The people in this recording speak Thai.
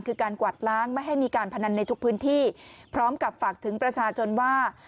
คือการกวาดล้างไม่ให้มีการพนันในทุกพื้นที่พร้อมกับฝากถึงประชาชนว่า